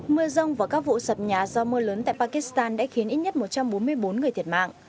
mưa rông và các vụ sập nhà do mưa lớn tại pakistan đã khiến ít nhất một trăm bốn mươi bốn người thiệt mạng